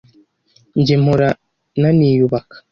Njye mpora naniyubaka